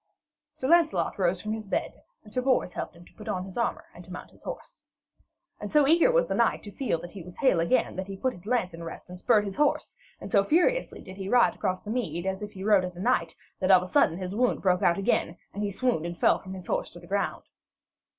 Sir Lancelot rose from his bed, and Sir Bors helped him to put on his armour and to mount his horse. And so eager was the knight to feel that he was hale again that he put his lance in rest and spurred his horse, and so furiously did he ride across the mead, as if he rode at a knight, that of a sudden his wound broke out again, and he swooned and fell from his horse to the ground.